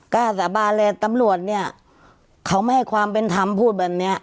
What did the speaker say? กล้าสาบานเลยตำรวจเนี่ยเขาไม่ให้ความเป็นธรรมพูดแบบเนี้ย